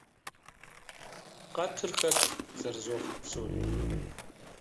- Къэтыр хэт?! – зэрызохьэ псори.